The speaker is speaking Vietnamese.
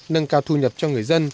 nâng cao thu nhập cho người dân